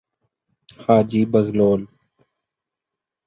حاجی بغلول